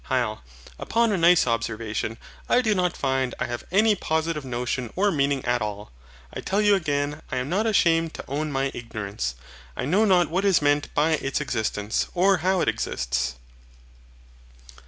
HYL. Upon a nice observation, I do not find I have any positive notion or meaning at all. I tell you again, I am not ashamed to own my ignorance. I know not what is meant by its EXISTENCE, or how it exists.